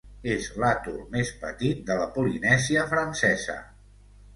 És l'atol més petit de la Polinèsia Francesa.